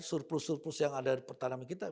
jadi surplus surplus yang ada di pertanaman kita